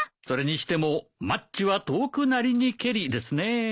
それにしてもマッチは遠くなりにけりですね。